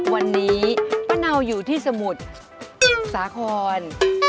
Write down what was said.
วันนี้ป้าเนาอยู่ที่สมุทรสาคร